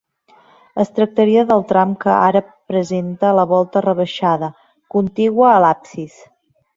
Es tractaria del tram que ara presenta la volta rebaixada, contigua a l'absis.